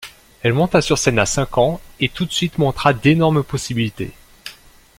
Elle monta sur scène à cinq ans et tout de suite montra d'énormes possibilités.